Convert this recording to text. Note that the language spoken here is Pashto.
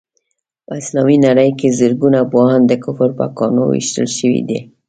په اسلامي نړۍ کې زرګونه پوهان د کفر په ګاڼو ويشتل شوي دي.